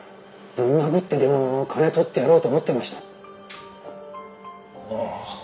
ぶん殴ってでもやってやろうと思いました。